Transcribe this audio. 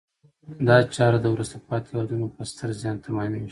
دا چاره د وروسته پاتې هېوادونو په ستر زیان تمامیږي.